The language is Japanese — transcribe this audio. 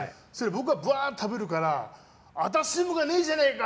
僕が、ブワーって食べるからあたしのがねえじゃねえか！